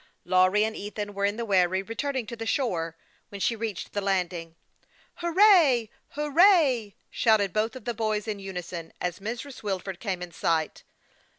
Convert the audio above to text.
Lawry and Ethan were in the wherry, returning to the shore, when she reached the landing. " Hurrah ! hurrah !" shouted both of the boys, in unison, as Mrs. Wilford came in sight.